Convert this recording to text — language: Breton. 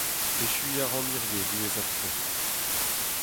Echuiñ a ran hiziv diwezhat-tre.